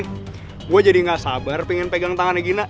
gue jadi gak sabar pengen pegang tangannya gina